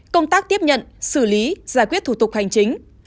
công tác tiếp nhận xử lý giải quyết thủ tục hành chính